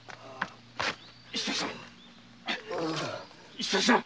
石崎さん！